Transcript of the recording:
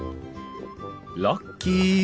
ラッキー。